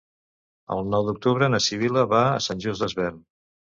El nou d'octubre na Sibil·la va a Sant Just Desvern.